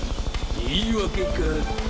言い訳か？